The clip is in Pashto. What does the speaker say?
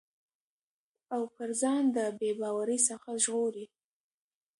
او پر ځان د بې باورٸ څخه ژغوري